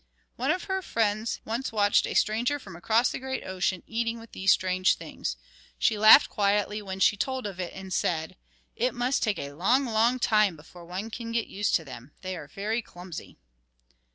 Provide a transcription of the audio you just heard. One of her friends once watched a stranger from across the great ocean eating with these strange things. She laughed quietly when she told of it, and said: "It must take a long, long time before one can get used to them. They are very clumsy."